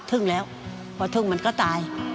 ถึงแล้วพอทึ่งมันก็ตาย